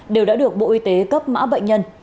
đều đã được bộ y tế cấp mã bệnh nhân